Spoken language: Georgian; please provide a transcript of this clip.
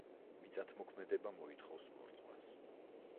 მიწათმოქმედება მოითხოვს მორწყვას.